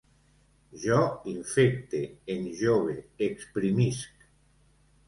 Jo infecte, enjove, exprimisc